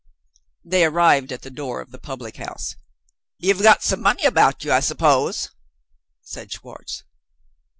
They arrived at the door of the public house. "You've got some money about you, I suppose?" said Schwartz.